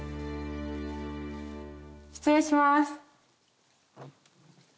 失礼します。